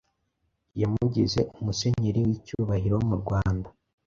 yamugize Umusenyeri w’icyubahiro murwanda.